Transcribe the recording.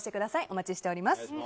お待ちしています。